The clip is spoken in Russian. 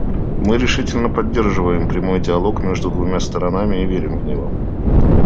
Мы решительно поддерживаем прямой диалог между двумя сторонами и верим в него.